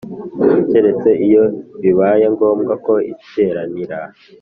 keretse iyo bibaye ngombwa ko iteranira